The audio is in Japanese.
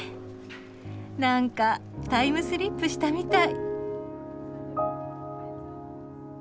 なんかタイムスリップしたみたい。